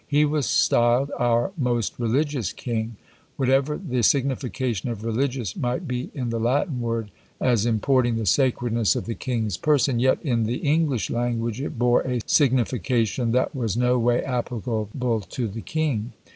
He was styled our most religious king. Whatever the signification of religious might be in the Latin word, as importing the sacredness of the king's person, yet in the English language it bore a signification that was no way applicable to the king.